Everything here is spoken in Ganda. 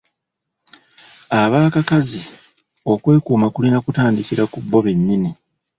Abakakazi okwekuuma kulina kutandikira kubo be nnyini.